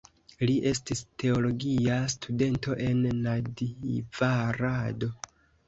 Li estis teologia studento en Nadjvarado.